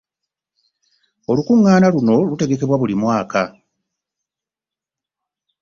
Olukuŋŋaana luno lutegekebwa buli mwaka